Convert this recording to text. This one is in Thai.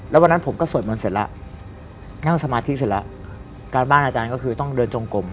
แล้ววันนั้นผมก็สวดมนต์เสร็จแล้วนั่งสมาธิเสร็จแล้วการบ้านอาจารย์ก็คือต้องเดินจงกลม